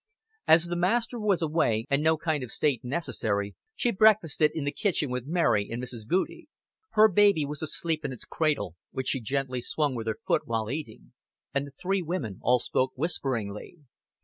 As the master was away and no kind of state necessary, she breakfasted in the kitchen with Mary and Mrs. Goudie. Her baby was asleep in its cradle, which she gently swung with her foot while eating; and the three women all spoke whisperingly.